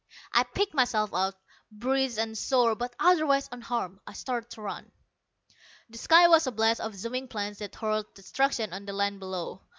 I picked myself up, bruised and sore, but otherwise unharmed. I started to run. The sky was a blaze of zooming planes that hurled destruction on the land below.